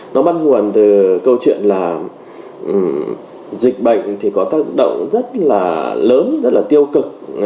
nó bắt nguồn từ câu chuyện là dịch bệnh thì có tác động rất là lớn rất là tiêu cực